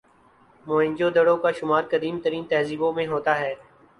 موئن جو دڑو کا شمار قدیم ترین تہذیبوں میں ہوتا ہے